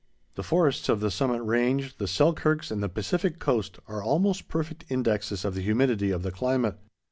The forests of the Summit Range, the Selkirks, and the Pacific Coast are almost perfect indexes of the humidity of the climate.